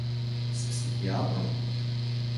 S psihiatrom?